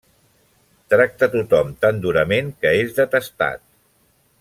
Tracta tothom tan durament que és detestat.